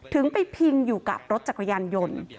ถึงไปพิงอยู่กับรถจักรยานยนต์